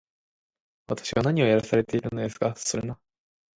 私は何をやらされているのですか